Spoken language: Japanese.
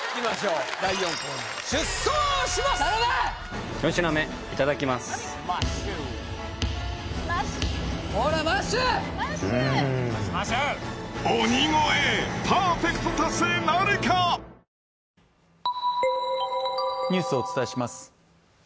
うんニュースをお伝えします